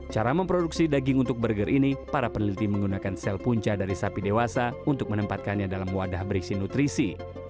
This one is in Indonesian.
cara memproduksi daging untuk burger ini para peneliti menggunakan sel punca dari sapi dewasa untuk menempatkannya dalam wadah berisi nutrisi